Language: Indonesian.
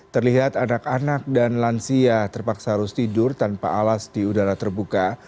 terlihat anak anak dan lansia terpaksa harus tidur tanpa alas di udara terbuka